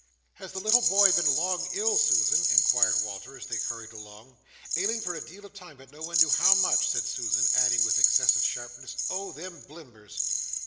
"Has the little boy been long ill, Susan?" inquired Walter, as they hurried on. "Ailing for a deal of time, but no one knew how much," said Susan; adding, with excessive sharpness, "Oh, them Blimbers!"